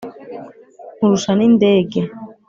nkurusha n'indege,